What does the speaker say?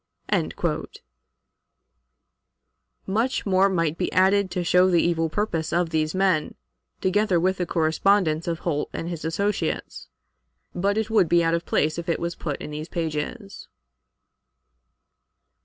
Much more might be added to show the evil purpose of these men, together with the correspondence of Holt and his associates, but it would be out of place if it was put in these pages.